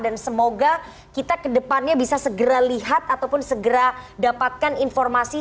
dan semoga kita kedepannya bisa segera lihat ataupun segera dapatkan informasi